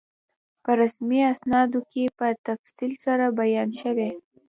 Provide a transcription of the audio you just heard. په رسمي اسنادو کې په تفصیل سره بیان شوی.